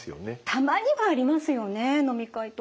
たまにはありますよね飲み会とか。